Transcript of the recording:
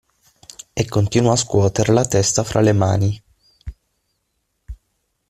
E continuò a scuoter la testa fra le mani.